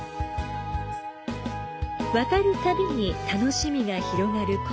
渡るたびに楽しみが広がる